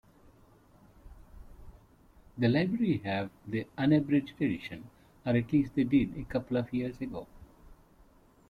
The library have the unabridged edition, or at least they did a couple of years ago.